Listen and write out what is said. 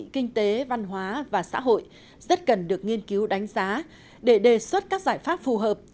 kinh tế văn hóa và xã hội rất cần được nghiên cứu đánh giá để đề xuất các giải pháp phù hợp